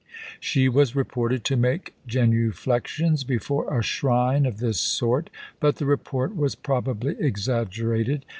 She was reported to make genuflections before a shrine of this sort, but the report was probably exaggerated.